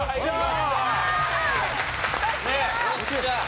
よっしゃー！